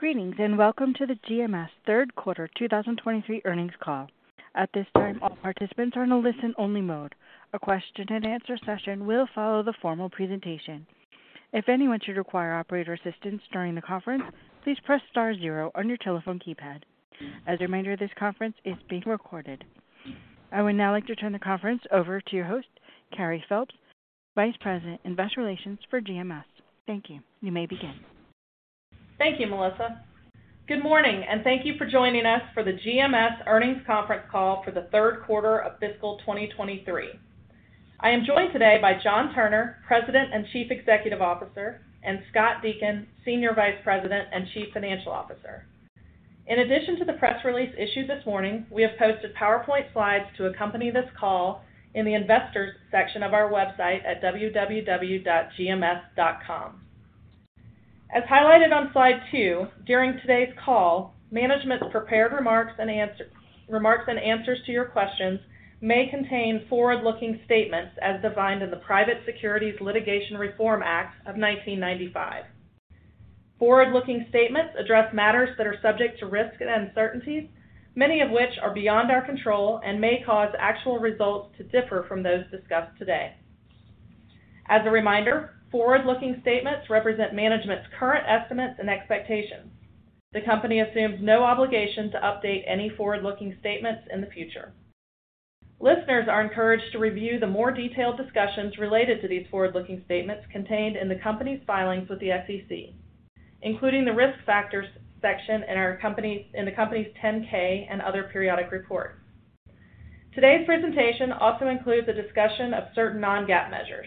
Greetings, welcome to the GMS third quarter 2023 earnings call. At this time, all participants are in a listen-only mode. A question-and-answer session will follow the formal presentation. If anyone should require operator assistance during the conference, please press star zero on your telephone keypad. As a reminder, this conference is being recorded. I would now like to turn the conference over to your host, Carey Phelps, Vice President, Investor Relations for GMS. Thank you. You may begin. Thank you, Melissa. Good morning, and thank you for joining us for the GMS Earnings Conference Call for the third quarter of fiscal 2023. I am joined today by John Turner, President and Chief Executive Officer, and Scott Deakin, Senior Vice President and Chief Financial Officer. In addition to the press release issued this morning, we have posted PowerPoint slides to accompany this call in the investors section of our website at www.gms.com. As highlighted on slide two, during today's call, management's prepared remarks and remarks and answers to your questions may contain forward-looking statements as defined in the Private Securities Litigation Reform Act of 1995. Forward-looking statements address matters that are subject to risk and uncertainties, many of which are beyond our control and may cause actual results to differ from those discussed today. As a reminder, forward-looking statements represent management's current estimates and expectations. The company assumes no obligation to update any forward-looking statements in the future. Listeners are encouraged to review the more detailed discussions related to these forward-looking statements contained in the company's filings with the SEC, including the Risk Factors section in the company's 10-K and other periodic reports. Today's presentation also includes a discussion of certain non-GAAP measures.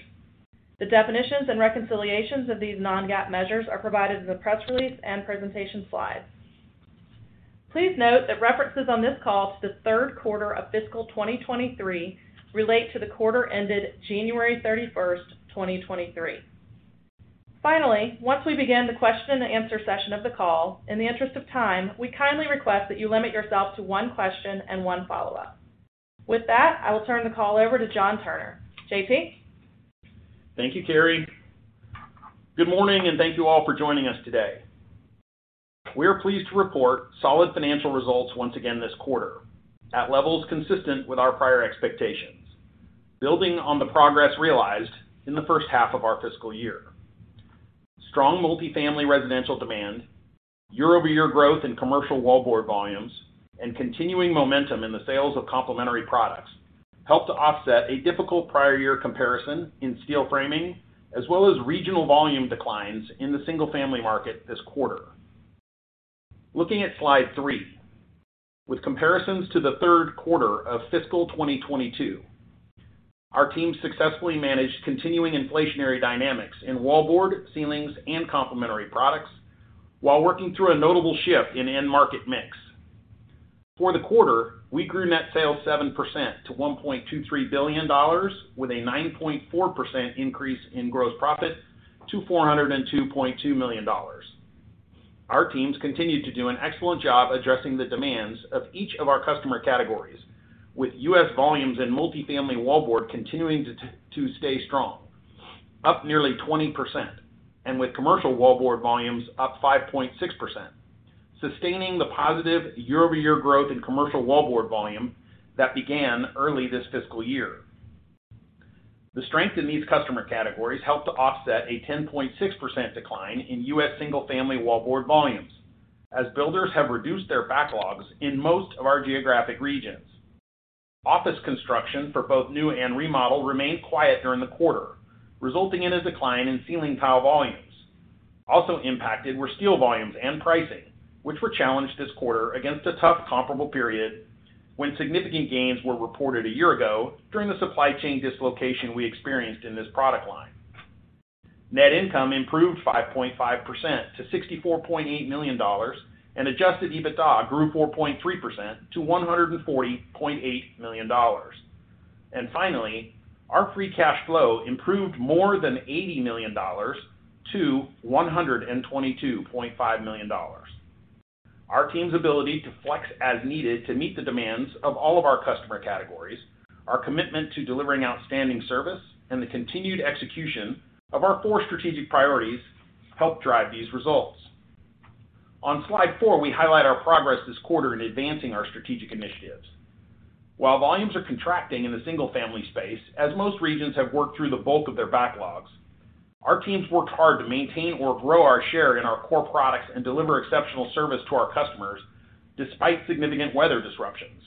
The definitions and reconciliations of these non-GAAP measures are provided in the press release and presentation slides. Please note that references on this call to the third quarter of fiscal 2023 relate to the quarter ended January 31, 2023. Finally, once we begin the question and answer session of the call, in the interest of time, we kindly request that you limit yourself to one question and one follow-up. With that, I will turn the call over to John Turner. J.T. Thank you, Carey. Good morning, thank you all for joining us today. We are pleased to report solid financial results once again this quarter at levels consistent with our prior expectations, building on the progress realized in the first half of our fiscal year. Strong multifamily residential demand, year-over-year growth in commercial wallboard volumes, and continuing momentum in the sales of complementary products helped to offset a difficult prior year comparison in steel framing, as well as regional volume declines in the single-family market this quarter. Looking at slide three. With comparisons to the third quarter of fiscal 2022, our team successfully managed continuing inflationary dynamics in wallboard, ceilings, and complementary products while working through a notable shift in end market mix. For the quarter, we grew net sales 7% to $1.23 billion, with a 9.4% increase in gross profit to $402.2 million. Our teams continued to do an excellent job addressing the demands of each of our customer categories, with U.S. volumes and multifamily wallboard continuing to stay strong, up nearly 20%, and with commercial wallboard volumes up 5.6%, sustaining the positive year-over-year growth in commercial wallboard volume that began early this fiscal year. The strength in these customer categories helped to offset a 10.6% decline in U.S. single-family wallboard volumes as builders have reduced their backlogs in most of our geographic regions. Office construction for both new and remodel remained quiet during the quarter, resulting in a decline in ceiling tile volumes. Also impacted were steel volumes and pricing, which were challenged this quarter against a tough comparable period when significant gains were reported a year ago during the supply chain dislocation we experienced in this product line. Net income improved 5.5% to $64.8 million, and Adjusted EBITDA grew 4.3% to $140.8 million. Finally, our free cash flow improved more than $80 million to $122.5 million. Our team's ability to flex as needed to meet the demands of all of our customer categories, our commitment to delivering outstanding service, and the continued execution of our four strategic priorities helped drive these results. On slide four, we highlight our progress this quarter in advancing our strategic initiatives. While volumes are contracting in the single-family space, as most regions have worked through the bulk of their backlogs, our teams worked hard to maintain or grow our share in our core products and deliver exceptional service to our customers despite significant weather disruptions.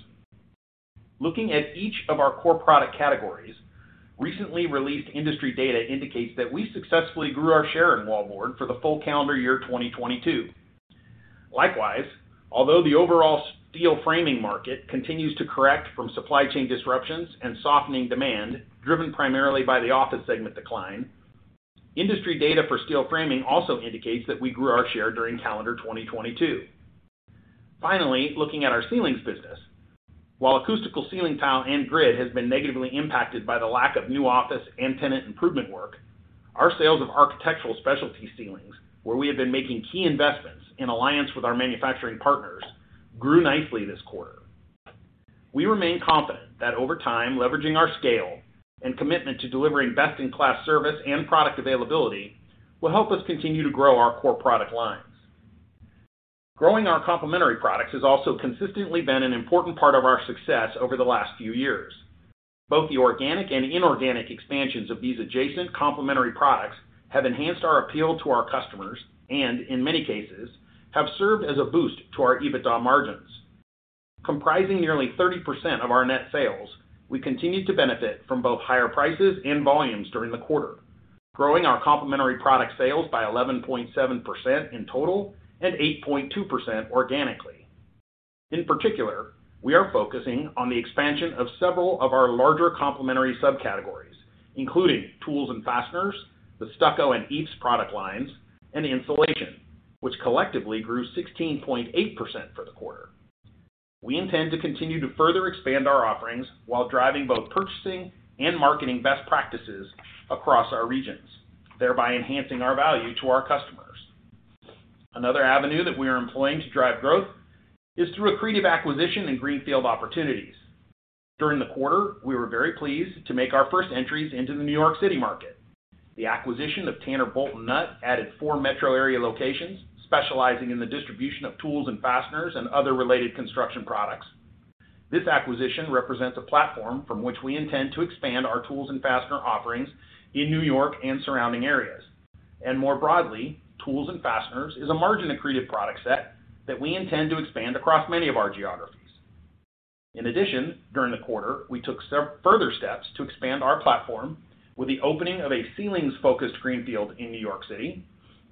Looking at each of our core product categories, recently released industry data indicates that we successfully grew our share in wallboard for the full calendar year 2022. Although the overall steel framing market continues to correct from supply chain disruptions and softening demand driven primarily by the office segment decline, industry data for steel framing also indicates that we grew our share during calendar 2022. Looking at our ceilings business. While acoustical ceiling tile and grid has been negatively impacted by the lack of new office and tenant improvement work, our sales of architectural specialty ceilings, where we have been making key investments in alliance with our manufacturing partners, grew nicely this quarter. We remain confident that over time, leveraging our scale and commitment to delivering best-in-class service and product availability will help us continue to grow our core product lines. Growing our complementary products has also consistently been an important part of our success over the last few years. Both the organic and inorganic expansions of these adjacent complementary products have enhanced our appeal to our customers and, in many cases, have served as a boost to our EBITDA margins. Comprising nearly 30% of our net sales, we continue to benefit from both higher prices and volumes during the quarter, growing our complementary product sales by 11.7% in total and 8.2% organically. In particular, we are focusing on the expansion of several of our larger complementary subcategories, including tools and fasteners, the stucco and EIFS product lines, and insulation, which collectively grew 16.8% for the quarter. We intend to continue to further expand our offerings while driving both purchasing and marketing best practices across our regions, thereby enhancing our value to our customers. Another avenue that we are employing to drive growth is through accretive acquisition and greenfield opportunities. During the quarter, we were very pleased to make our first entries into the New York City market. The acquisition of Tanner Bolt & Nut added four metro area locations, specializing in the distribution of tools and fasteners and other related construction products. This acquisition represents a platform from which we intend to expand our tools and fastener offerings in New York and surrounding areas. More broadly, tools and fasteners is a margin accretive product set that we intend to expand across many of our geographies. In addition, during the quarter, we took further steps to expand our platform with the opening of a ceilings-focused greenfield in New York City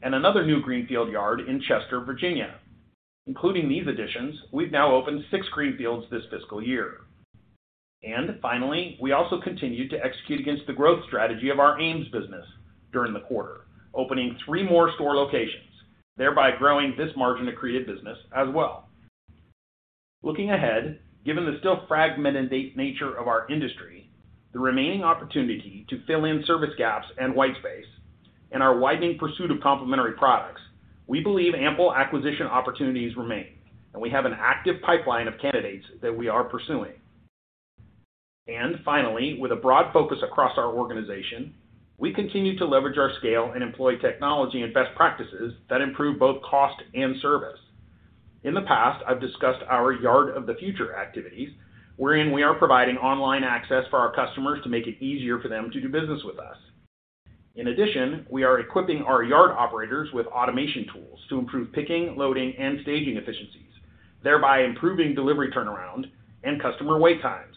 and another new greenfield yard in Chester, Virginia. Including these additions, we've now opened six greenfields this fiscal year. Finally, we also continued to execute against the growth strategy of our Ames business during the quarter, opening three more store locations, thereby growing this margin accretive business as well. Looking ahead, given the still fragmented nature of our industry, the remaining opportunity to fill in service gaps and whitespace and our widening pursuit of complementary products, we believe ample acquisition opportunities remain, and we have an active pipeline of candidates that we are pursuing. Finally, with a broad focus across our organization, we continue to leverage our scale and employ technology and best practices that improve both cost and service. In the past, I've discussed our Yard of the Future activities, wherein we are providing online access for our customers to make it easier for them to do business with us. In addition, we are equipping our yard operators with automation tools to improve picking, loading, and staging efficiencies, thereby improving delivery turnaround and customer wait times.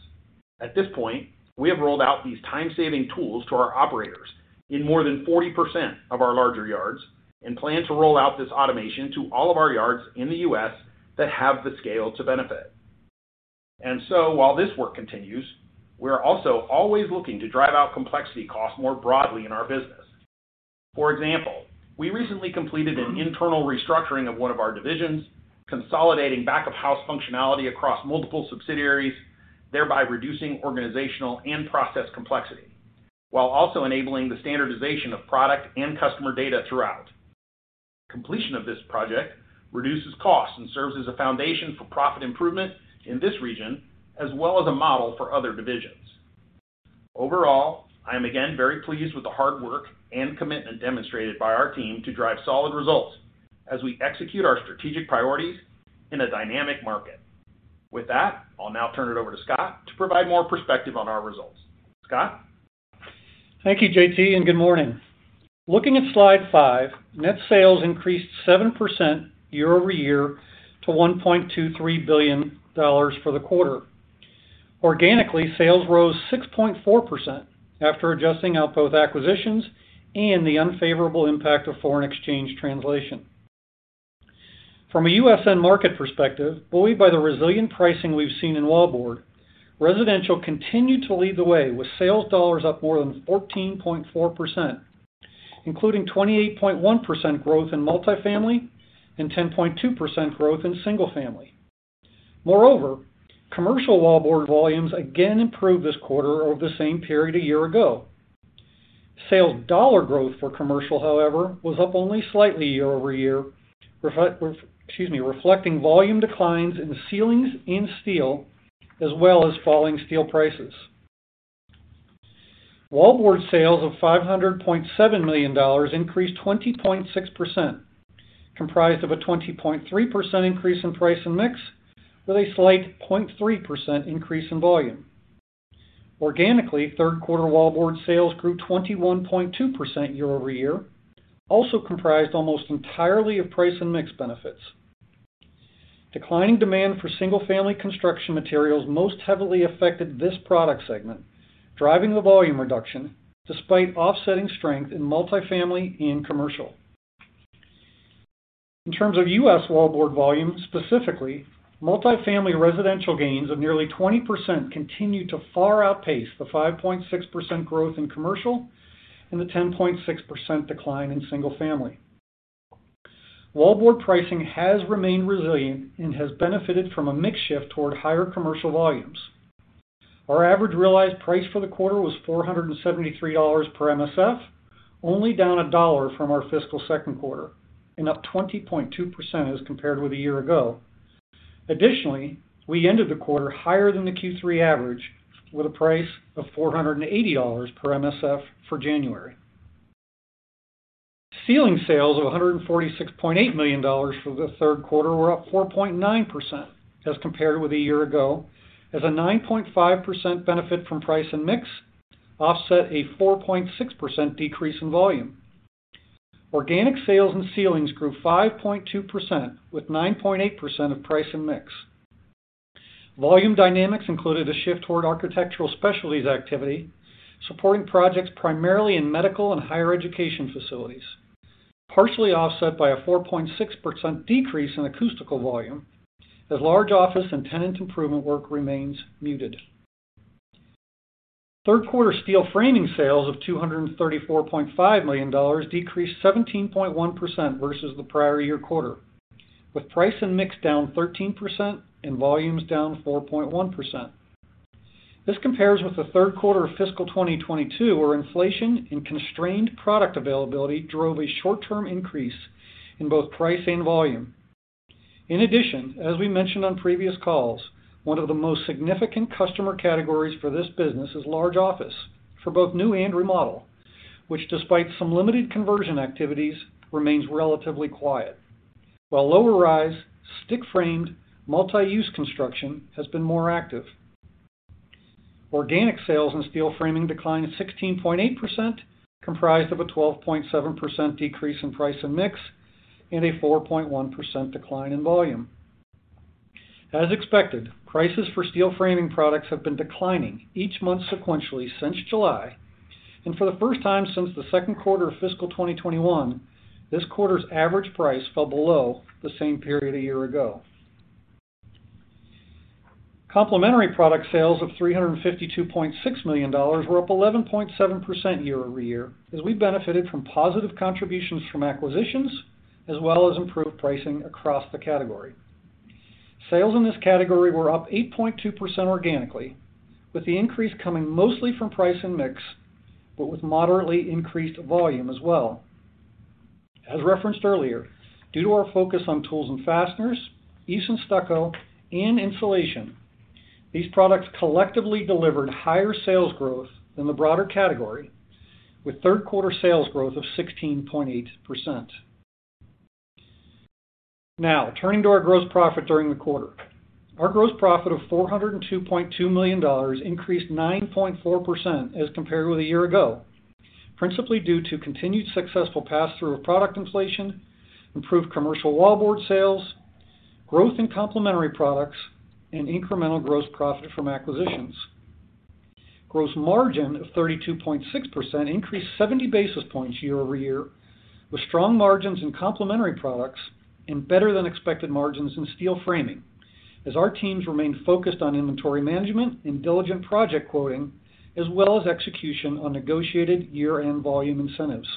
At this point, we have rolled out these time-saving tools to our operators in more than 40% of our larger yards and plan to roll out this automation to all of our yards in the U.S. that have the scale to benefit. While this work continues, we are also always looking to drive out complexity costs more broadly in our business. For example, we recently completed an internal restructuring of one of our divisions, consolidating back-of-house functionality across multiple subsidiaries, thereby reducing organizational and process complexity, while also enabling the standardization of product and customer data throughout. Completion of this project reduces costs and serves as a foundation for profit improvement in this region, as well as a model for other divisions. Overall, I am again very pleased with the hard work and commitment demonstrated by our team to drive solid results as we execute our strategic priorities in a dynamic market. With that, I'll now turn it over to Scott to provide more perspective on our results. Scott? Thank you, J.T., and good morning. Looking at slide five, net sales increased 7% year-over-year to $1.23 billion for the quarter. Organically, sales rose 6.4% after adjusting out both acquisitions and the unfavorable impact of foreign exchange translation. From a U.S. end market perspective, buoyed by the resilient pricing we've seen in wallboard, residential continued to lead the way with sales dollars up more than 14.4%, including 28.1% growth in multifamily and 10.2% growth in single family. Moreover, commercial wallboard volumes again improved this quarter over the same period a year ago. Sales dollar growth for commercial, however, was up only slightly year-over-year, reflecting volume declines in ceilings and steel, as well as falling steel prices. Wallboard sales of $500.7 million increased 20.6%, comprised of a 20.3% increase in price and mix, with a slight 0.3% increase in volume. Organically, third quarter wallboard sales grew 21.2% year-over-year, also comprised almost entirely of price and mix benefits. Declining demand for single-family construction materials most heavily affected this product segment, driving the volume reduction despite offsetting strength in multifamily and commercial. In terms of U.S. wallboard volume, specifically, multifamily residential gains of nearly 20% continue to far outpace the 5.6% growth in commercial and the 10.6% decline in single family. Wallboard pricing has remained resilient and has benefited from a mix shift toward higher commercial volumes. Our average realized price for the quarter was $473 per MSF, only down $1 from our fiscal second quarter and up 20.2% as compared with a year ago. Additionally, we ended the quarter higher than the Q3 average with a price of $480 per MSF for January. Ceiling sales of $146.8 million for the third quarter were up 4.9% as compared with a year ago as a 9.5% benefit from price and mix offset a 4.6% decrease in volume. Organic sales and ceilings grew 5.2% with 9.8% of price and mix. Volume dynamics included a shift toward architectural specialties activity, supporting projects primarily in medical and higher education facilities, partially offset by a 4.6% decrease in acoustical volume as large office and tenant improvement work remains muted. Third quarter steel framing sales of $234.5 million decreased 17.1% versus the prior year quarter, with price and mix down 13% and volumes down 4.1%. This compares with the third quarter of fiscal 2022, where inflation and constrained product availability drove a short-term increase in both price and volume. In addition, as we mentioned on previous calls, one of the most significant customer categories for this business is large office for both new and remodel, which despite some limited conversion activities, remains relatively quiet. While lower-rise, stick-framed, multi-use construction has been more active. Organic sales in steel framing declined 16.8%, comprised of a 12.7% decrease in price and mix, and a 4.1% decline in volume. As expected, prices for steel framing products have been declining each month sequentially since July, and for the first time since the second quarter of fiscal 2021, this quarter's average price fell below the same period a year-ago. Complementary product sales of $352.6 million were up 11.7% year-over-year as we benefited from positive contributions from acquisitions as well as improved pricing across the category. Sales in this category were up 8.2% organically, with the increase coming mostly from price and mix, but with moderately increased volume as well. As referenced earlier, due to our focus on tools and fasteners, EIFS and stucco, and insulation, these products collectively delivered higher sales growth than the broader category with third quarter sales growth of 16.8%. Turning to our gross profit during the quarter. Our gross profit of $402.2 million increased 9.4% as compared with a year ago, principally due to continued successful pass-through of product inflation, improved commercial wallboard sales, growth in complementary products, and incremental gross profit from acquisitions. Gross margin of 32.6% increased 70 basis points year-over-year, with strong margins in complementary products and better than expected margins in steel framing, as our teams remained focused on inventory management and diligent project quoting, as well as execution on negotiated year-end volume incentives.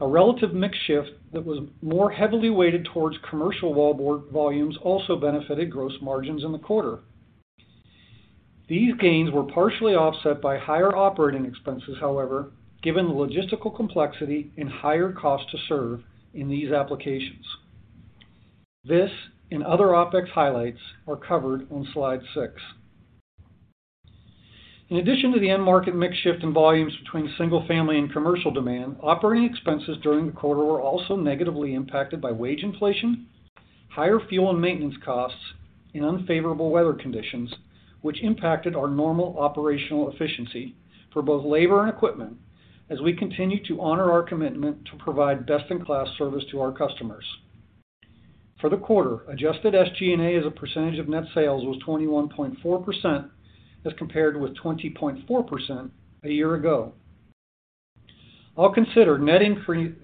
A relative mix shift that was more heavily weighted towards commercial wallboard volumes also benefited gross margins in the quarter. These gains were partially offset by higher operating expenses, however, given the logistical complexity and higher cost to serve in these applications. This and other OpEx highlights are covered on slide six. In addition to the end market mix shift in volumes between single family and commercial demand, operating expenses during the quarter were also negatively impacted by wage inflation, higher fuel and maintenance costs, and unfavorable weather conditions, which impacted our normal operational efficiency for both labor and equipment as we continue to honor our commitment to provide best-in-class service to our customers. For the quarter, Adjusted SG&A as a percentage of net sales was 21.4% as compared with 20.4% a year ago. All considered, net income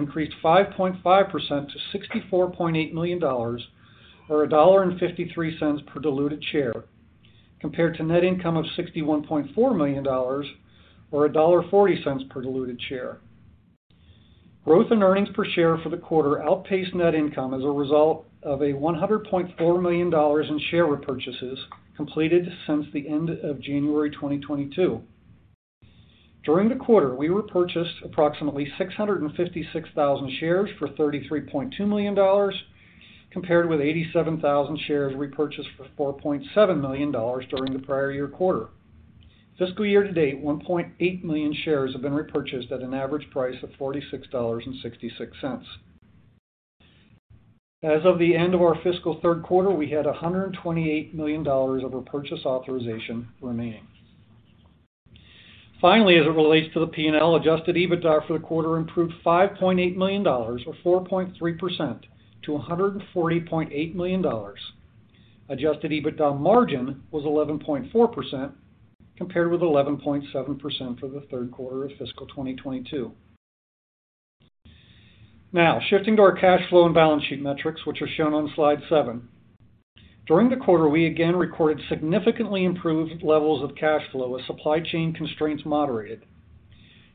increased 5.5% to $64.8 million or $1.53 per diluted share, compared to net income of $61.4 million or $1.40 per diluted share. Growth in earnings per share for the quarter outpaced net income as a result of a $100.4 million in share repurchases completed since the end of January 2022. During the quarter, we repurchased approximately 656,000 shares for $33.2 million, compared with 87,000 shares repurchased for $4.7 million during the prior year quarter. Fiscal year to date, 1.8 million shares have been repurchased at an average price of $46.66. As of the end of our fiscal third quarter, we had $128 million of repurchase authorization remaining. As it relates to the P&L, Adjusted EBITDA for the quarter improved $5.8 million or 4.3% to $140.8 million. Adjusted EBITDA margin was 11.4%, compared with 11.7% for the third quarter of fiscal 2022. Shifting to our cash flow and balance sheet metrics, which are shown on slide seven. During the quarter, we again recorded significantly improved levels of cash flow as supply chain constraints moderated.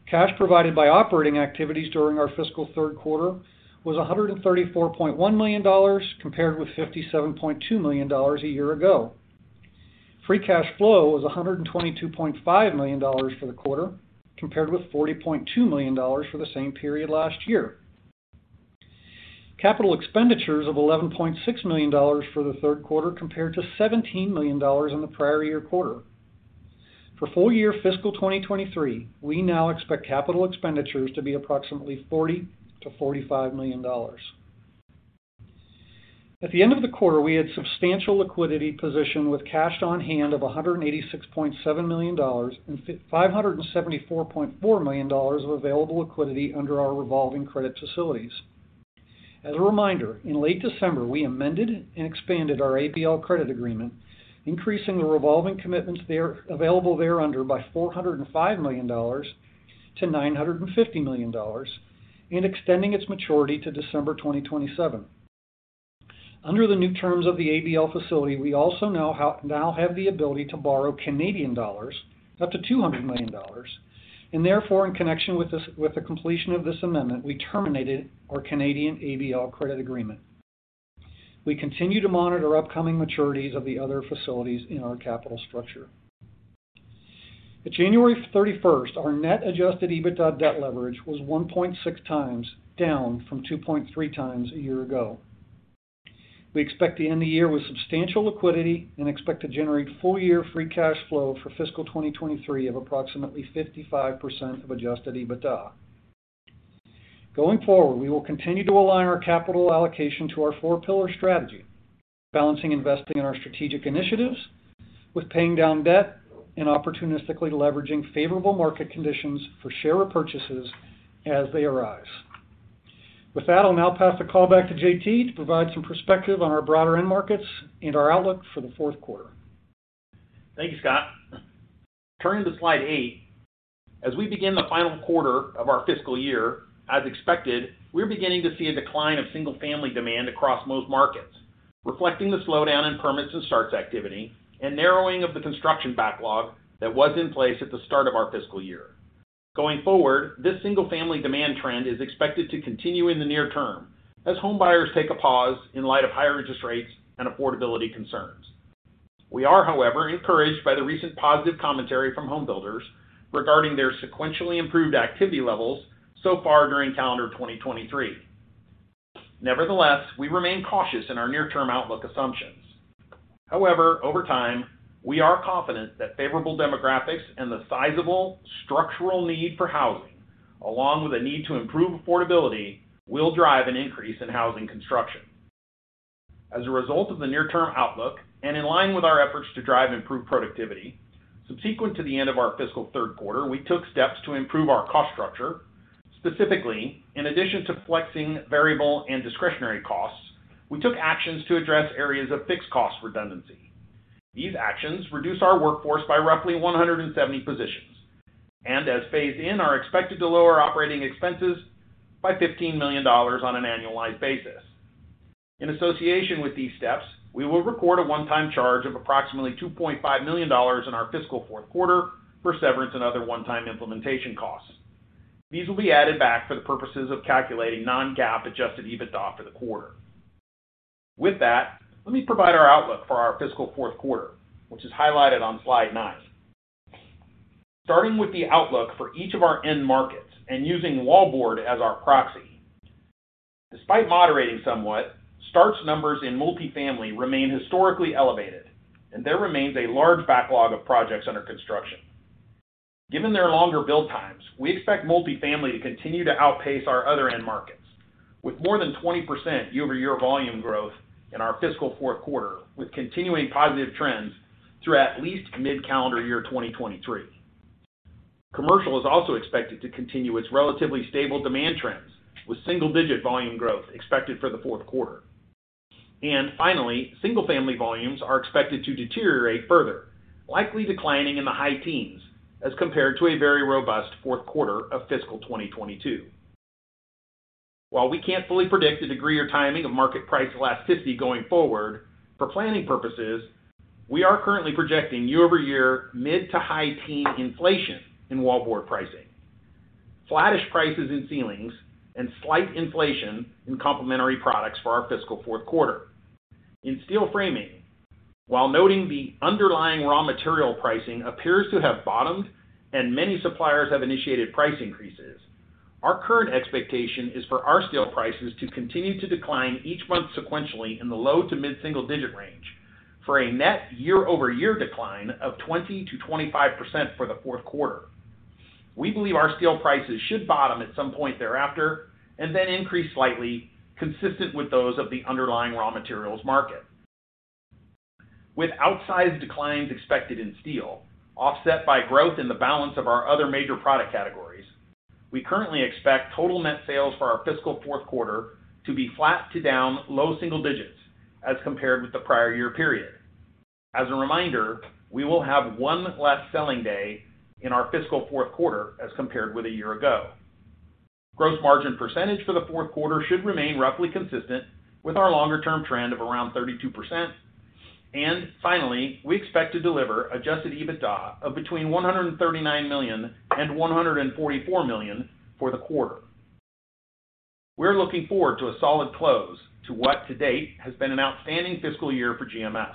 Cash provided by operating activities during our fiscal third quarter was $134.1 million compared with $57.2 million a year ago. Free cash flow was $122.5 million for the quarter, compared with $40.2 million for the same period last year. Capital expenditures of $11.6 million for the third quarter compared to $17 million in the prior year quarter. For full year fiscal 2023, we now expect capital expenditures to be approximately $40 million-$45 million. At the end of the quarter, we had substantial liquidity position with cash on hand of $186.7 million and $574.4 million of available liquidity under our revolving credit facilities. As a reminder, in late December, we amended and expanded our ABL credit agreement, increasing the revolving commitments available thereunder by $405 million to $950 million and extending its maturity to December 2027. Under the new terms of the ABL Facility, we also now have the ability to borrow Canadian dollars up to 200 million dollars and therefore, in connection with this, with the completion of this amendment, we terminated our Canadian ABL Credit Agreement. We continue to monitor upcoming maturities of the other facilities in our capital structure. At January 31st, our net Adjusted EBITDA debt leverage was 1.6x, down from 2.3x a year ago. We expect to end the year with substantial liquidity and expect to generate full-year free cash flow for fiscal 2023 of approximately 55% of Adjusted EBITDA. Going forward, we will continue to align our capital allocation to our four pillar strategy, balancing investing in our strategic initiatives with paying down debt and opportunistically leveraging favorable market conditions for share repurchases as they arise. With that, I'll now pass the call back to J.T. to provide some perspective on our broader end markets and our outlook for the fourth quarter. Thank you, Scott. Turning to slide eight. As we begin the final quarter of our fiscal year, as expected, we're beginning to see a decline of single-family demand across most markets, reflecting the slowdown in permits and starts activity and narrowing of the construction backlog that was in place at the start of our fiscal year. Going forward, this single-family demand trend is expected to continue in the near term as home buyers take a pause in light of higher interest rates and affordability concerns. We are, however, encouraged by the recent positive commentary from home builders regarding their sequentially improved activity levels so far during calendar 2023. Nevertheless, we remain cautious in our near-term outlook assumptions. Over time, we are confident that favorable demographics and the sizable structural need for housing, along with a need to improve affordability, will drive an increase in housing construction. As a result of the near-term outlook and in line with our efforts to drive improved productivity, subsequent to the end of our fiscal third quarter, we took steps to improve our cost structure. Specifically, in addition to flexing variable and discretionary costs, we took actions to address areas of fixed cost redundancy. These actions reduce our workforce by roughly 170 positions, and as phased in, are expected to lower operating expenses by $15 million on an annualized basis. In association with these steps, we will record a one-time charge of approximately $2.5 million in our fiscal fourth quarter for severance and other one-time implementation costs. These will be added back for the purposes of calculating non-GAAP Adjusted EBITDA for the quarter. With that, let me provide our outlook for our fiscal fourth quarter, which is highlighted on slide nine. Starting with the outlook for each of our end markets and using wallboard as our proxy. Despite moderating somewhat, starts numbers in multifamily remain historically elevated, and there remains a large backlog of projects under construction. Given their longer build times, we expect multifamily to continue to outpace our other end markets with more than 20% year-over-year volume growth in our fiscal fourth quarter, with continuing positive trends through at least mid-calendar year 2023. Commercial is also expected to continue its relatively stable demand trends with single-digit volume growth expected for the fourth quarter. Finally, single-family volumes are expected to deteriorate further, likely declining in the high teens as compared to a very robust fourth quarter of fiscal 2022. While we can't fully predict the degree or timing of market price elasticity going forward, for planning purposes, we are currently projecting year-over-year mid to high-teen inflation in wallboard pricing, flattish prices in ceilings, and slight inflation in complementary products for our fiscal fourth quarter. In steel framing, while noting the underlying raw material pricing appears to have bottomed and many suppliers have initiated price increases, our current expectation is for our steel prices to continue to decline each month sequentially in the low to mid-single digit range for a net year-over-year decline of 20%-25% for the fourth quarter. We believe our steel prices should bottom at some point thereafter and then increase slightly consistent with those of the underlying raw materials market. With outsized declines expected in steel, offset by growth in the balance of our other major product categories, we currently expect total net sales for our fiscal fourth quarter to be flat to down low single digits as compared with the prior year period. As a reminder, we will have one less selling day in our fiscal fourth quarter as compared with a year ago. Gross margin percentage for the fourth quarter should remain roughly consistent with our longer-term trend of around 32%. Finally, we expect to deliver Adjusted EBITDA of between $139 million and $144 million for the quarter. We're looking forward to a solid close to what to date has been an outstanding fiscal year for GMS.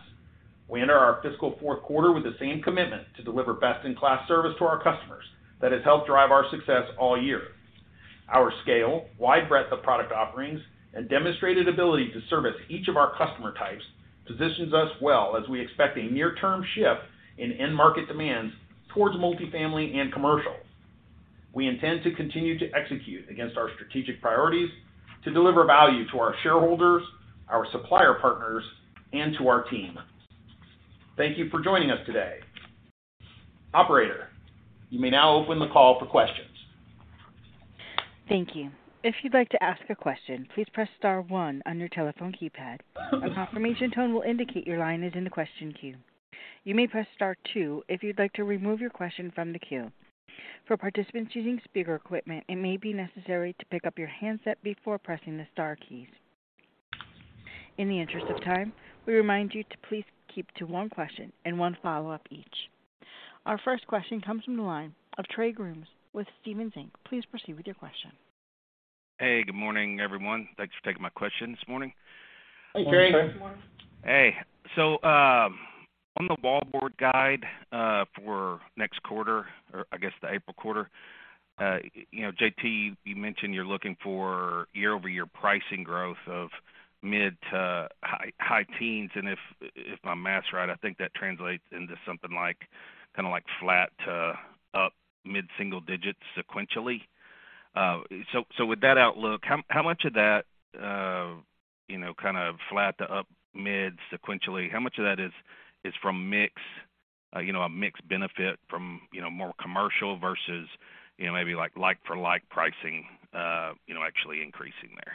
We enter our fiscal fourth quarter with the same commitment to deliver best-in-class service to our customers that has helped drive our success all year. Our scale, wide breadth of product offerings, and demonstrated ability to service each of our customer types positions us well as we expect a near-term shift in end market demands towards multifamily and commercial. We intend to continue to execute against our strategic priorities to deliver value to our shareholders, our supplier partners, and to our team. Thank you for joining us today. Operator, you may now open the call for questions. Thank you. If you'd like to ask a question, please press star one on your telephone keypad. A confirmation tone will indicate your line is in the question queue. You may press star two if you'd like to remove your question from the queue. For participants using speaker equipment, it may be necessary to pick up your handset before pressing the star keys. In the interest of time, we remind you to please keep to one question and one follow-up each. Our first question comes from the line of Trey Grooms with Stephens Inc. Please proceed with your question. Hey, good morning, everyone. Thanks for taking my question this morning. Hey, Trey. Good morning. On the wallboard guide for next quarter or I guess the April quarter, you know, J.T., you mentioned you're looking for year-over-year pricing growth of mid-to-high teens. If my math's right, I think that translates into something like, kinda like flat to up mid-single digits sequentially. With that outlook, how much of that, you know, kind of flat to up mid sequentially, how much of that is from mix, you know, a mix benefit from, you know, more commercial versus, you know, maybe like for like pricing, you know, actually increasing there?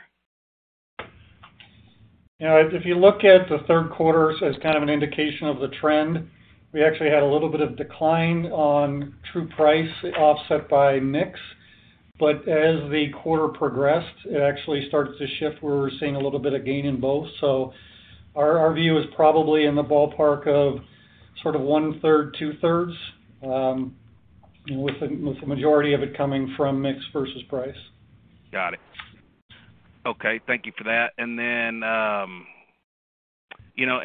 You know, if you look at the third quarter as kind of an indication of the trend, we actually had a little bit of decline on true price offset by mix. As the quarter progressed, it actually starts to shift where we're seeing a little bit of gain in both. Our view is probably in the ballpark of sort of one-third, two-thirds, with the majority of it coming from mix versus price. Got it. Okay, thank you for that. Then, you know,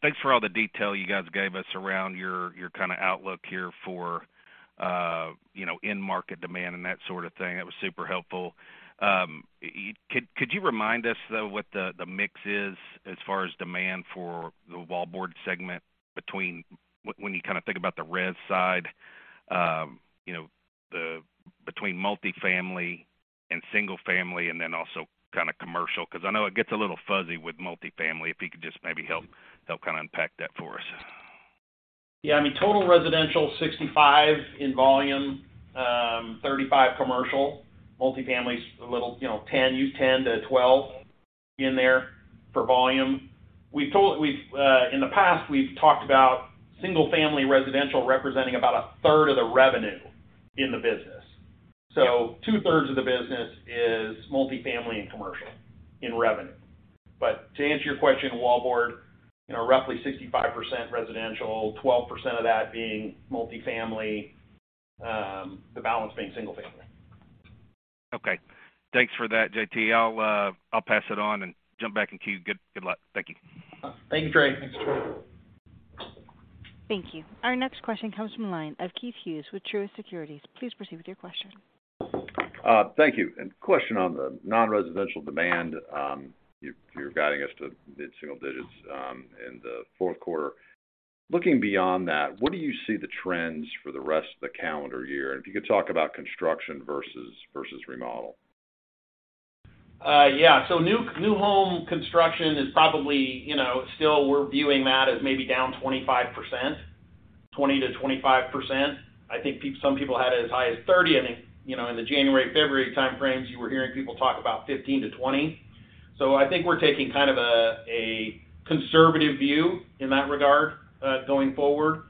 Thanks for all the detail you guys gave us around your kinda outlook here for, you know, end market demand and that sort of thing. That was super helpful. Could you remind us though what the mix is as far as demand for the wallboard segment between when you kinda think about the res side, you know, the between multifamily and single family and then also kinda commercial? 'Cause I know it gets a little fuzzy with multifamily, if you could just maybe help kinda unpack that for us. Yeah. I mean, total residential 65% in volume, 35% commercial. Multifamily's a little, you know, 10%-12% in there for volume. We've, in the past, we've talked about single-family residential representing about a third of the revenue in the business. Two-thirds of the business is multifamily and commercial in revenue. To answer your question, wallboard, you know, roughly 65% residential, 12% of that being multifamily, the balance being single family. Okay. Thanks for that, J.T. I'll pass it on and jump back in queue. Good luck. Thank you. Thank you, Trey. Thanks, Trey. Thank you. Our next question comes from the line of Keith Hughes with Truist Securities. Please proceed with your question. Thank you. Question on the non-residential demand? You're guiding us to mid-single digits in the fourth quarter. Looking beyond that, what do you see the trends for the rest of the calendar year? If you could talk about construction versus remodel? Yeah. New home construction is probably, you know, still we're viewing that as maybe down 25%, 20%-25%. I think some people had it as high as 30%. I think, you know, in the January, February time frames, you were hearing people talk about 15%-20%. So I think we're taking kind of a conservative view in that regard going forward.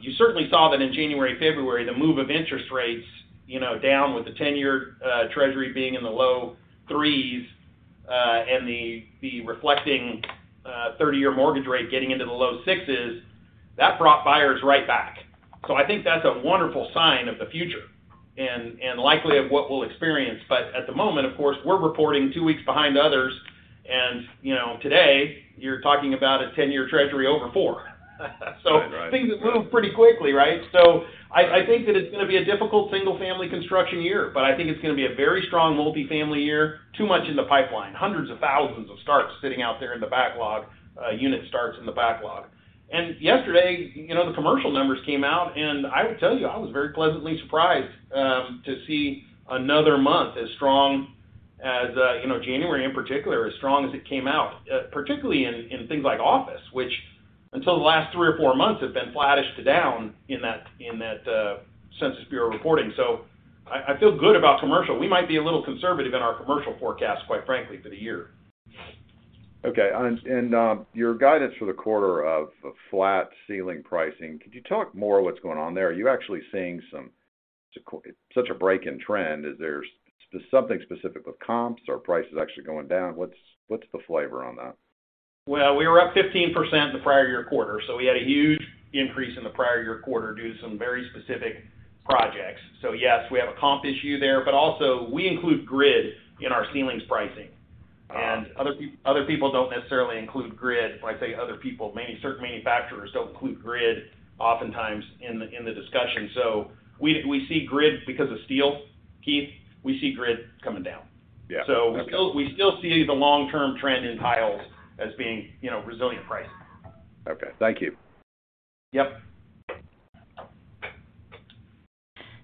You certainly saw that in January, February, the move of interest rates, you know, down with the 10-year Treasury being in the low threes, and the reflecting 30-year mortgage rate getting into the low sixes, that brought buyers right back. So I think that's a wonderful sign of the future and likely of what we'll experience. At the moment, of course, we're reporting two weeks behind others and, you know, today you're talking about a 10-year Treasury over 4%. Right. Things have moved pretty quickly, right? I think that it's going to be a difficult single-family construction year, but I think it's going to be a very strong multi-family year. Too much in the pipeline. Hundreds of thousands of starts sitting out there in the backlog, unit starts in the backlog. Yesterday, you know, the commercial numbers came out and I will tell you, I was very pleasantly surprised to see another month as strong as, you know, January in particular, as strong as it came out, particularly in things like office, which until the last three or four months have been flattish to down in that Census Bureau reporting. I feel good about commercial. We might be a little conservative in our commercial forecast, quite frankly, for the year. Okay. your guidance for the quarter of flat ceiling pricing, could you talk more what's going on there? Are you actually seeing such a break in trend? Is there something specific with comps or prices actually going down? What's, what's the flavor on that? Well, we were up 15% the prior year quarter, so we had a huge increase in the prior year quarter due to some very specific projects. Yes, we have a comp issue there, but also we include grid in our ceilings pricing. Uh-huh. Other people don't necessarily include grid. When I say other people, certain manufacturers don't include grid oftentimes in the discussion. We see grid because of steel, Keith, we see grid coming down. Yeah. Okay. We still see the long-term trend in tiles as being, you know, resilient pricing. Okay. Thank you. Yep.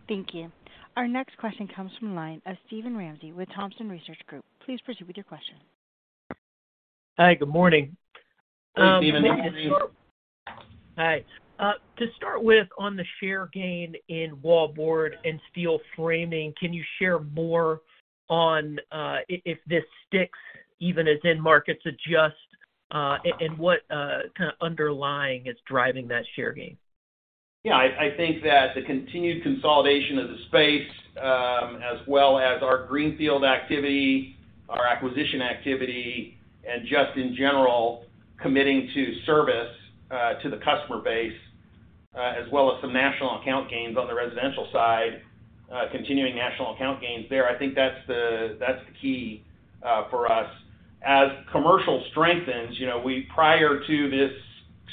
Thank you. Our next question comes from the line of Steven Ramsey with Thompson Research Group. Please proceed with your question. Hi, good morning. Hey, Steven. Hi. To start with, on the share gain in wallboard and steel framing, can you share more on, if this sticks even as end markets adjust, and what kind of underlying is driving that share gain? I think that the continued consolidation of the space, as well as our greenfield activity, our acquisition activity, and just in general committing to service to the customer base, as well as some national account gains on the residential side, continuing national account gains there, I think that's the key for us. As commercial strengthens, you know, prior to this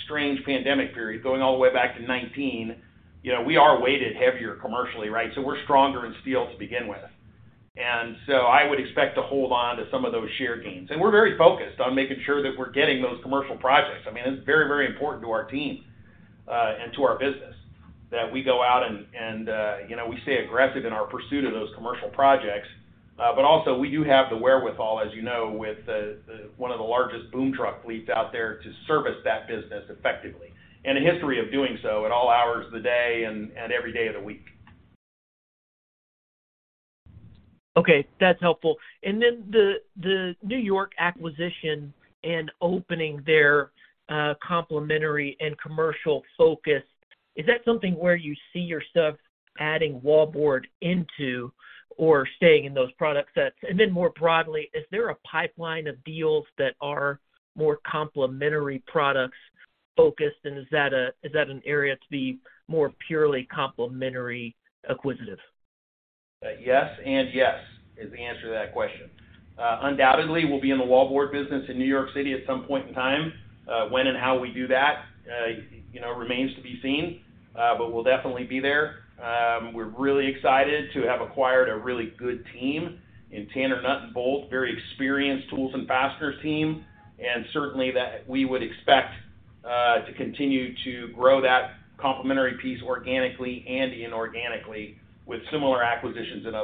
strange pandemic period, going all the way back to 2019, you know, we are weighted heavier commercially, right? We're stronger in steel to begin with. I would expect to hold on to some of those share gains. We're very focused on making sure that we're getting those commercial projects. I mean, it's very, very important to our team, and to our business that we go out and, you know, we stay aggressive in our pursuit of those commercial projects. Also we do have the wherewithal, as you know, with one of the largest boom truck fleets out there to service that business effectively. A history of doing so at all hours of the day and every day of the week. Okay, that's helpful. Then the New York acquisition and opening their complementary and commercial focus, is that something where you see yourself adding wallboard into or staying in those product sets? Then more broadly, is there a pipeline of deals that are more complementary products-focused, and is that an area to be more purely complementary acquisitive? Yes and yes is the answer to that question. Undoubtedly, we'll be in the wallboard business in New York City at some point in time. When and how we do that, you know, remains to be seen, but we'll definitely be there. We're really excited to have acquired a really good team in Tanner Bolt & Nut, very experienced tools and fasteners team, and certainly that we would expect to continue to grow that complementary piece organically and inorganically with similar acquisitions in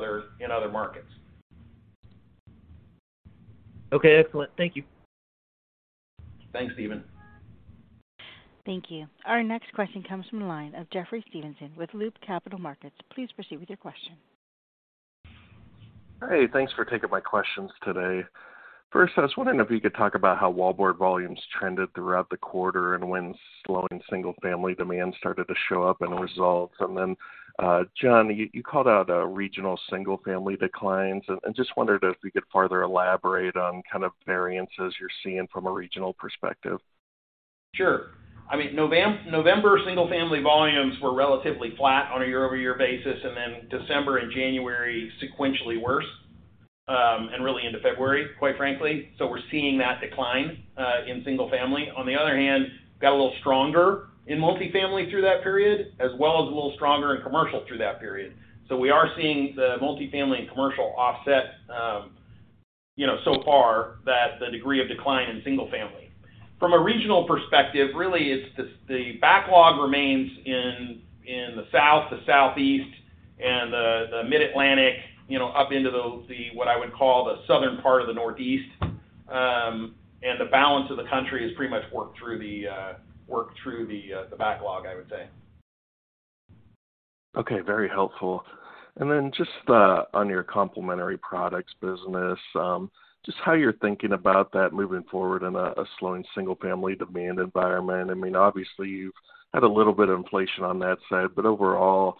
other markets. Okay, excellent. Thank you. Thanks, Steven. Thank you. Our next question comes from the line of Jeffrey Stevenson with Loop Capital Markets. Please proceed with your question. Hey, thanks for taking my questions today. First, I was wondering if you could talk about how wallboard volumes trended throughout the quarter and when slowing single-family demand started to show up in results. Then, John, you called out regional single family declines. Just wondered if you could further elaborate on kind of variances you're seeing from a regional perspective. Sure. I mean, November single family volumes were relatively flat on a year-over-year basis, and then December and January sequentially worse, and really into February, quite frankly. We're seeing that decline in single family. On the other hand, got a little stronger in multifamily through that period, as well as a little stronger in commercial through that period. We are seeing the multifamily and commercial offset, you know, so far that the degree of decline in single family. From a regional perspective, really it's the backlog remains in the South, the Southeast, and the Mid-Atlantic, you know, up into the, what I would call the Southern part of the Northeast. The balance of the country has pretty much worked through the backlog, I would say. Okay, very helpful. Just on your complementary products business, just how you're thinking about that moving forward in a slowing single family demand environment. I mean, obviously you've had a little bit of inflation on that side, but overall,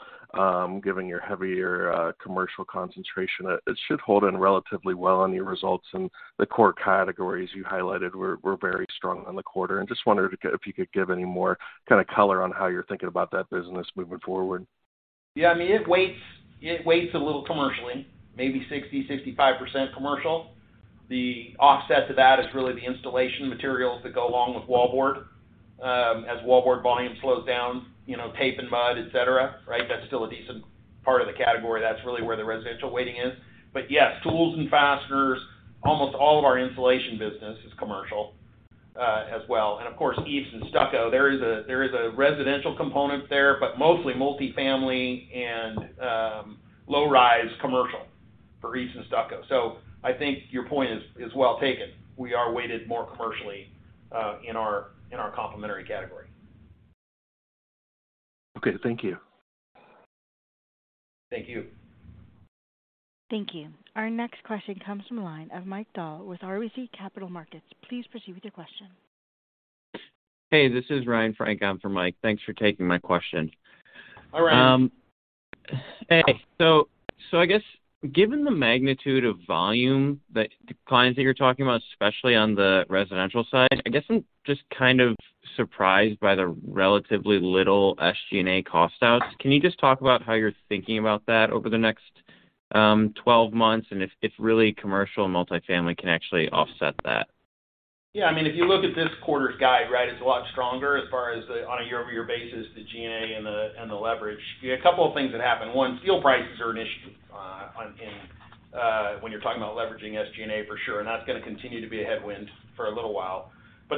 given your heavier commercial concentration, it should hold in relatively well on your results. The core categories you highlighted were very strong on the quarter. Just wondered if you could give any more kind of color on how you're thinking about that business moving forward. Yeah. I mean, it weights a little commercially, maybe 60%-65% commercial. The offset to that is really the installation materials that go along with wallboard. As wallboard volume slows down, you know, tape and mud, et cetera, right? That's still a decent part of the category. That's really where the residential weighting is. Yes, tools and fasteners, almost all of our insulation business is commercial as well. Of course, EIFS and stucco, there is a residential component there, but mostly multifamily and low-rise commercial for EIFS and stucco. I think your point is well taken. We are weighted more commercially in our complementary category. Okay. Thank you. Thank you. Thank you. Our next question comes from line of Mike Dahl with RBC Capital Markets. Please proceed with your question. Hey, this is Ryan Frank on for Mike. Thanks for taking my question. Hi, Ryan. Hey. I guess given the magnitude of volume that the clients that you're talking about, especially on the residential side, I guess I'm just kind of surprised by the relatively little SG&A cost outs. Can you just talk about how you're thinking about that over the next, 12 months and if really commercial multifamily can actually offset that? Yeah. I mean, if you look at this quarter's guide, right, it's a lot stronger as far as the on a year-over-year basis, the G&A and the, and the leverage. A couple of things that happened. One, steel prices are an issue, when you're talking about leveraging SG&A for sure, and that's gonna continue to be a headwind for a little while.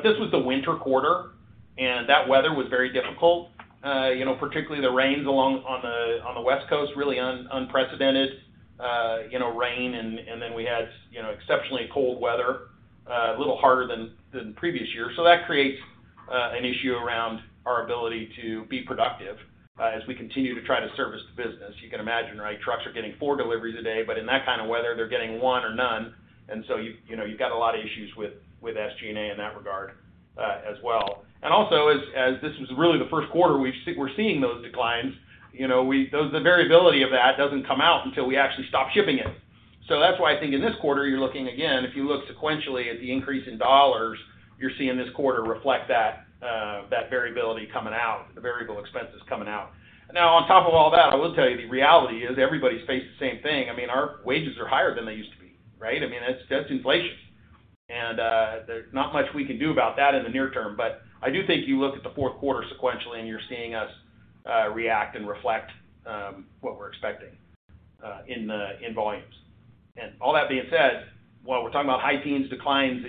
This was the winter quarter, and that weather was very difficult. You know, particularly the rains along on the, on the West Coast, really unprecedented, you know, rain and then we had, you know, exceptionally cold weather, a little harder than previous years. That creates an issue around our ability to be productive, as we continue to try to service the business. You can imagine, right? Trucks are getting four deliveries a day, but in that kind of weather, they're getting one or none. You, you know, you've got a lot of issues with SG&A in that regard, as well. Also as this was really the first quarter we're seeing those declines, you know, the variability of that doesn't come out until we actually stop shipping it. That's why I think in this quarter you're looking again, if you look sequentially at the increase in dollars, you're seeing this quarter reflect that variability coming out, the variable expenses coming out. On top of all that, I will tell you the reality is everybody's faced the same thing. I mean, our wages are higher than they used to be, right? I mean, that's inflation, there's not much we can do about that in the near term. I do think if you look at the fourth quarter sequentially and you're seeing us react and reflect what we're expecting in volumes. All that being said, while we're talking about high teens declines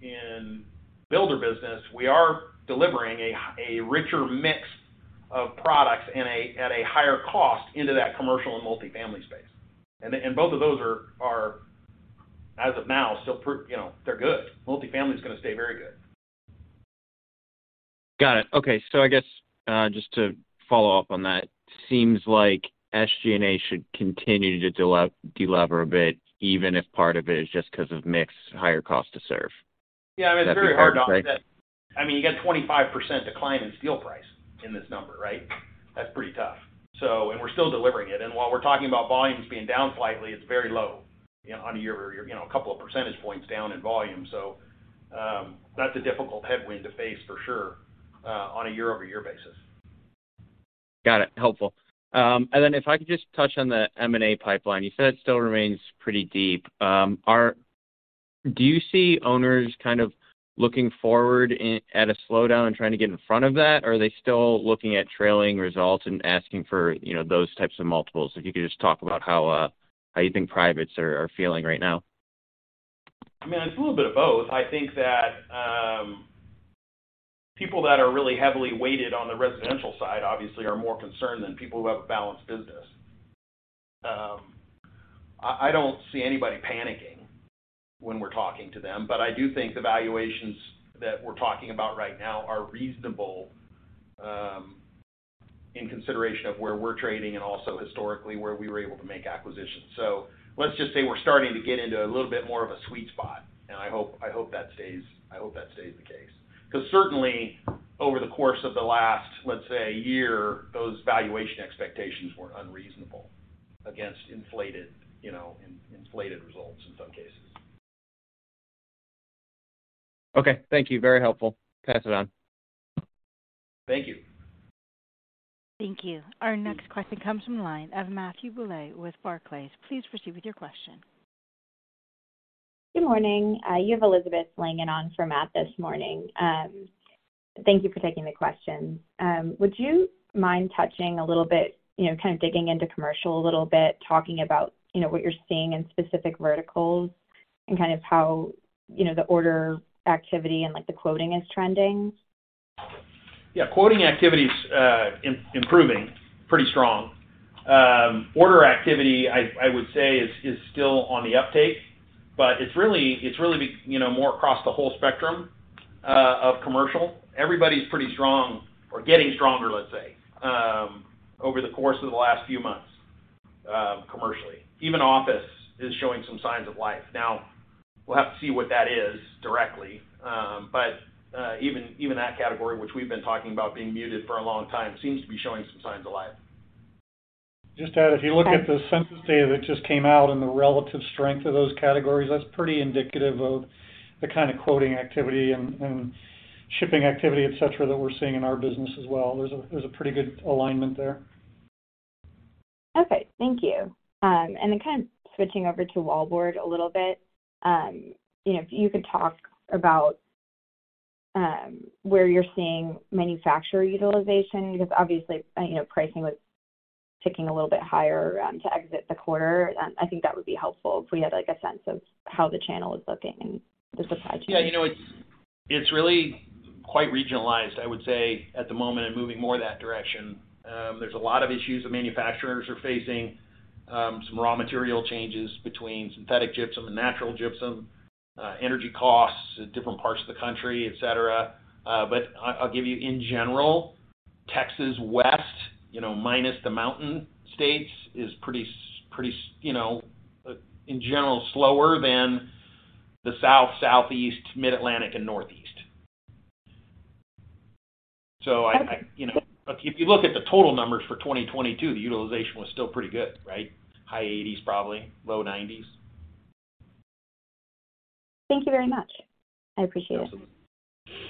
in builder business, we are delivering a richer mix of products at a higher cost into that commercial and multifamily space. Both of those are, as of now, still you know, they're good. Multifamily is gonna stay very good. Got it. Okay. I guess, just to follow up on that, seems like SG&A should continue to de-lever a bit, even if part of it is just 'cause of mix higher cost to serve. Yeah, I mean, it's very hard to offset. I mean, you got 25% decline in steel price in this number, right? That's pretty tough. We're still delivering it. While we're talking about volumes being down slightly, it's very low on a year-over-year. You know, a couple of percentage points down in volume. That's a difficult headwind to face for sure on a year-over-year basis. Got it. Helpful. If I could just touch on the M&A pipeline. You said it still remains pretty deep. Do you see owners kind of looking forward at a slowdown and trying to get in front of that, or are they still looking at trailing results and asking for, you know, those types of multiples? If you could just talk about how you think privates are feeling right now. I mean, it's a little bit of both. I think that people that are really heavily weighted on the residential side obviously are more concerned than people who have a balanced business. I don't see anybody panicking when we're talking to them, but I do think the valuations that we're talking about right now are reasonable in consideration of where we're trading and also historically where we were able to make acquisitions. let's just say we're starting to get into a little bit more of a sweet spot, and I hope that stays the case. 'Cause certainly over the course of the last, let's say, a year, those valuation expectations were unreasonable against inflated, you know, inflated results in some cases. Okay. Thank you. Very helpful. Pass it on. Thank you. Thank you. Our next question comes from the line of Matthew Bouley with Barclays. Please proceed with your question. Good morning. You have Elizabeth Langan on for Matt this morning. Thank you for taking the question. Would you mind touching a little bit, you know, kind of digging into commercial a little bit, talking about, you know, what you're seeing in specific verticals and kind of how, you know, the order activity and like the quoting is trending? Quoting activity's improving pretty strong. Order activity I would say is still on the uptake, but it's really, you know, more across the whole spectrum of commercial. Everybody's pretty strong or getting stronger, let's say, over the course of the last few months, commercially. Even office is showing some signs of life. We'll have to see what that is directly. Even that category, which we've been talking about being muted for a long time, seems to be showing some signs of life. Just to add, if you look at the census data that just came out and the relative strength of those categories, that's pretty indicative of the kind of quoting activity and shipping activity, et cetera, that we're seeing in our business as well. There's a pretty good alignment there. Okay. Thank you. Kind of switching over to Wallboard a little bit, you know, if you could talk about, where you're seeing manufacturer utilization, because obviously, you know, pricing was ticking a little bit higher, to exit the quarter. I think that would be helpful if we had like a sense of how the channel is looking and the supply chain. Yeah. You know, it's really quite regionalized, I would say, at the moment and moving more that direction. There's a lot of issues that manufacturers are facing. Some raw material changes between synthetic gypsum and natural gypsum, energy costs at different parts of the country, et cetera. I'll give you in general, Texas West, you know, minus the mountain states is pretty, you know, in general, slower than the south, southeast, Mid-Atlantic and northeast. Okay. You know, if you look at the total numbers for 2022, the utilization was still pretty good, right? High 80s, probably low 90s. Thank you very much. I appreciate it. Absolutely. Thank you.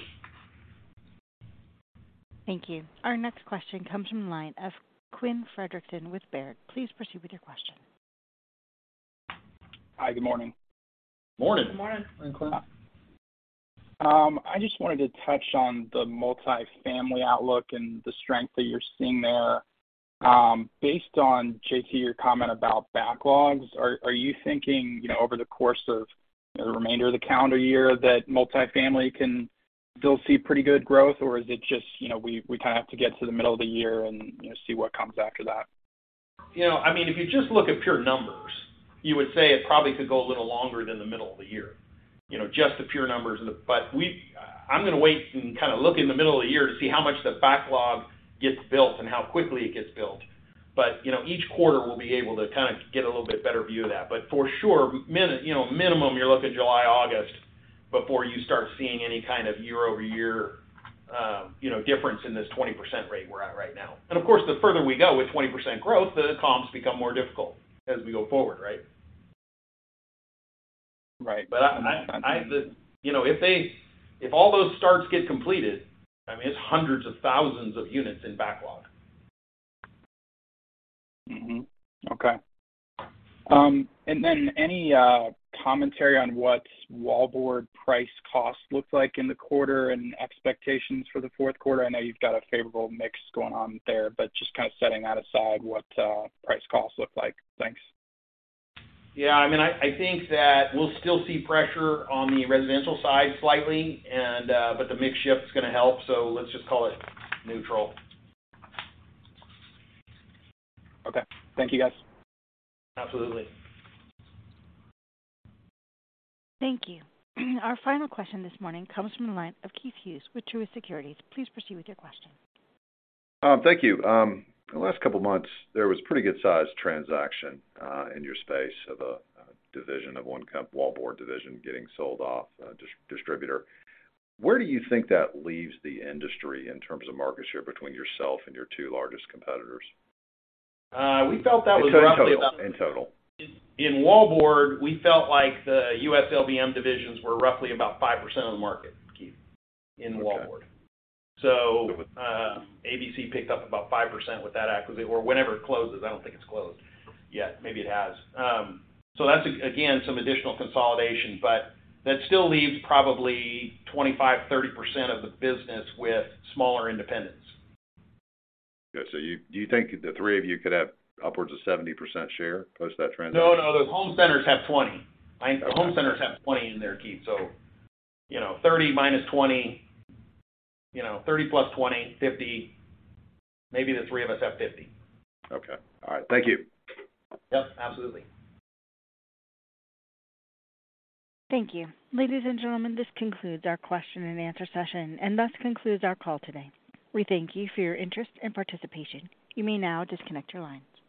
Our next question comes from the line of Quinn Fredrickson with Baird. Please proceed with your question. Hi. Good morning. Morning. Good morning. Morning, Quinn. I just wanted to touch on the multifamily outlook and the strength that you're seeing there. Based on J.T., your comment about backlogs, are you thinking, you know, over the course of the remainder of the calendar year that multifamily can still see pretty good growth, or is it just, you know, we kind of have to get to the middle of the year and, you know, see what comes after that? You know, I mean, if you just look at pure numbers, you would say it probably could go a little longer than the middle of the year, you know, just the pure numbers. I'm gonna wait and kinda look in the middle of the year to see how much the backlog gets built and how quickly it gets built. You know, each quarter we'll be able to kind of get a little bit better view of that. For sure, you know, minimum, you're looking July, August before you start seeing any kind of year-over-year, you know, difference in this 20% rate we're at right now. Of course, the further we go with 20% growth comps become more difficult as we go forward, right? Right. I, you know, if all those starts get completed, I mean, it's hundreds of thousands of units in backlog. Mm-hmm. Okay. Any commentary on what wallboard price cost looks like in the quarter and expectations for the fourth quarter? I know you've got a favorable mix going on there, just kind of setting that aside, what price costs look like. Thanks. I mean, I think that we'll still see pressure on the residential side slightly, but the mix shift is gonna help. Let's just call it neutral. Okay. Thank you, guys. Absolutely. Thank you. Our final question this morning comes from the line of Keith Hughes with Truist Securities. Please proceed with your question. Thank you. The last couple of months there was pretty good-sized transaction in your space of a division of one wallboard division getting sold off distributor. Where do you think that leaves the industry in terms of market share between yourself and your two largest competitors? we felt that was roughly. In total. In wallboard, we felt like the US LBM divisions were roughly about 5% of the market, Keith, in wallboard. Okay. ABC picked up about 5% with that acquisition or whenever it closes. I don't think it's closed yet. Maybe it has. That's again, some additional consolidation, but that still leaves probably 25%, 30% of the business with smaller independents. Do you think the three of you could have upwards of 70% share post that transaction? No, no. Those home centers have 20%. Okay. Home centers have 20% in there, Keith. You know, 30%-20%, you know, 30%+20%, 50%. Maybe the three of us have 50. Okay. All right. Thank you. Yep, absolutely. Thank you. Ladies and gentlemen, this concludes our question and answer session and thus concludes our call today. We thank you for your interest and participation. You may now disconnect your lines.